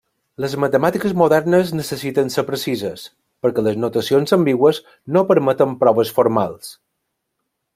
Les matemàtiques modernes necessiten ser precises, perquè les notacions ambigües no permeten proves formals.